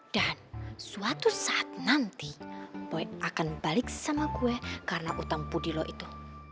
dan suatu saat nanti boy akan balik sama gue karena utang budi lo itu